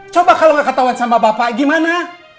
coba kalo gak ketauan sama bapak gimana